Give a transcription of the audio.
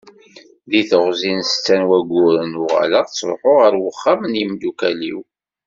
Deg teɣzi n setta n wayyuren, uɣaleɣ ttruḥuɣ ɣer uxxam n yimdukal-iw.